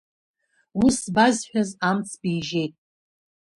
Ус базҳәаз амц бижьеит.